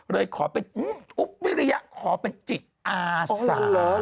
เลยขอเป็นอุ๊บวิริยะขอเป็นจิตอาสา